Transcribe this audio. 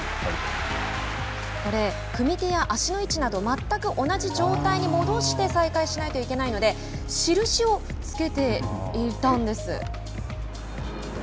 これ、組み手や足の位置など全く同じ状態に戻して再開しないといけないので印をつけていたんです。